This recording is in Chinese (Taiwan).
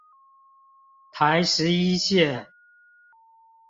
台十一線